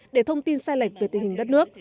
để thông tin sai lệch về tình hình đất nước